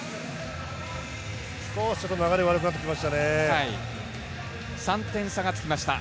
少し流れが悪くなってきましたね。